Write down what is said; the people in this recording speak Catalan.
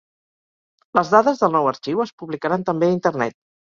Les dades del nou arxiu es publicaran també a Internet.